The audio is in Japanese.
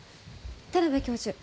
田邊教授